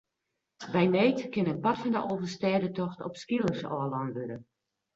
By need kin in part fan de Alvestêdetocht op skeelers ôflein wurde.